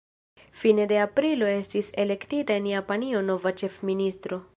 Fine de aprilo estis elektita en Japanio nova ĉefministro.